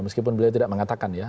meskipun beliau tidak mengatakan ya